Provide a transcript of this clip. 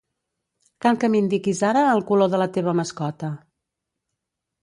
Cal que m'indiquis ara el color de la teva mascota.